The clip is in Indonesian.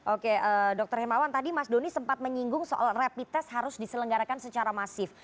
oke dr hermawan tadi mas doni sempat menyinggung soal rapid test harus diselenggarakan secara masif